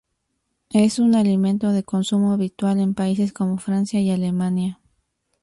Es un alimento de consumo habitual en países como Francia y Alemania.